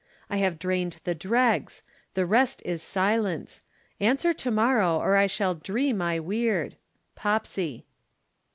I have drained the dregs. The rest is silence. Answer to morrow or I shall dree my weird. POPSY.'